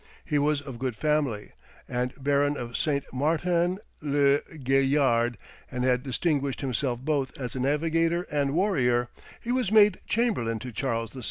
He was of good family, and Baron of St. Martin le Gaillard, and had distinguished himself both as a navigator and warrior; he was made chamberlain to Charles VI.